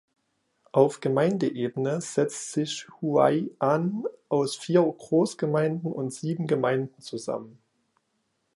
Auf Gemeindeebene setzt sich Huai’an aus vier Großgemeinden und sieben Gemeinden zusammen.